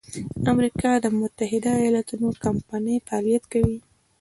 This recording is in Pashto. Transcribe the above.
د امریکا د متحد ایلااتو کمپنۍ فعالیت کوي.